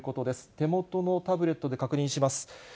手元のタブレットで確認します。